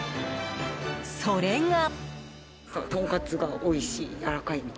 それが。